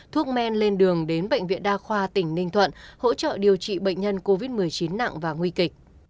thuốc men lên đường đến bệnh viện đa khoa tỉnh ninh thuận hỗ trợ điều trị bệnh nhân covid một mươi chín nặng và nguy kịch